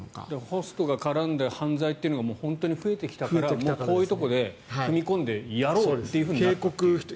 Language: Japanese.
ホストが絡んだ犯罪がもう本当に増えてきたからこういうところで踏み込んでやろうというふうになった。